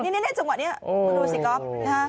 นี่จังหวะนี้ดูสิก๊อฟ